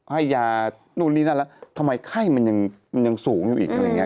ให้ยานู่นนี่นั่นอะไรทำไมไข้มันยังสูงอยู่อีกนะ